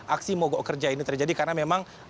aksi mo go kerja ini terjadi karena memang